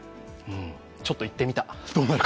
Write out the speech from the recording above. ちょっと言ってみた。